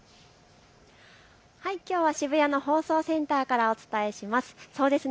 きょうは渋谷の放送センターからお伝えします。